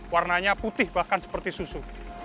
warnanya putih bahkan seperti susu